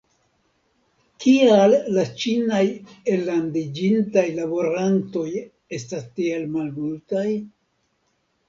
Kial la ĉinaj ellandiĝintaj laborantoj estas tiel malmultaj?